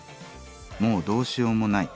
もうどうしようもない。